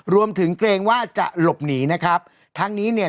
รวมถึงเกรงว่าจะหลบหนีนะครับทั้งนี้เนี่ย